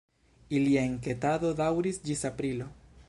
Ilia enketado daŭris ĝis aprilo.